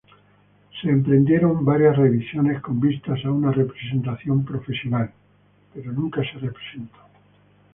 Se emprendieron varias revisiones "con vistas a una representación profesional", pero nunca se representó.